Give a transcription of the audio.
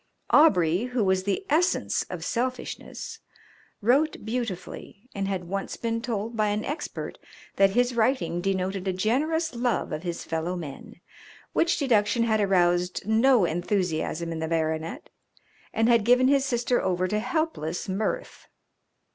Aubrey, who was the essence of selfishness, wrote beautifully, and had once been told by an expert that his writing denoted a generous love of his fellow men, which deduction had aroused no enthusiasm in the baronet, and had given his sister over to helpless mirth.